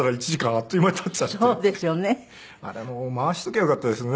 あれも回しときゃよかったですね